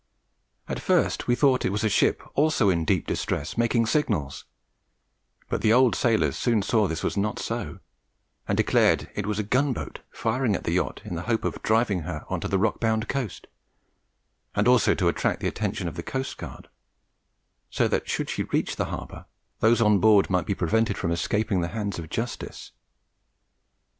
At first we thought it was a ship also in deep distress, making signals; but the old sailors soon saw this was not so, and declared it was a gunboat firing at the yacht in the hope of driving her on to the rock bound coast, and also to attract the attention of the coastguard, so that, should she reach the harbour, those on board might be prevented from escaping the hands of justice.